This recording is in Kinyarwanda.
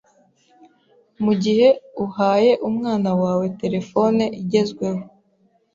Mu gihe uhaye umwana wawe terefone igezweho